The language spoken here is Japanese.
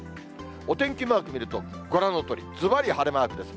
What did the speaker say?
お天気マーク見ると、ご覧のとおり、ずばり晴れマークです。